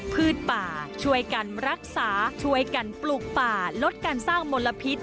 พืชป่าช่วยกันรักษาช่วยกันปลูกป่าลดการสร้างมลพิษ